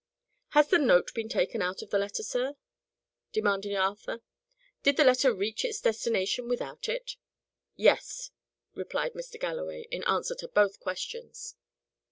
"Has the note been taken out of the letter, sir?" demanded Arthur. "Did the letter reach its destination without it?" "Yes," replied Mr. Galloway, in answer to both questions.